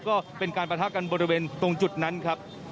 ก็เป็นการประทะกันบริเวณตรงจุดนั้นครับ